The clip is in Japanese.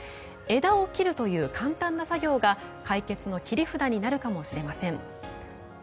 枝を切るという簡単な作業が解決の切り札になるかもしれません。